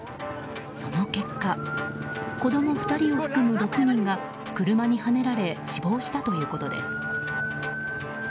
その結果、子供２人を含む６人が車にはねられ死亡したということです。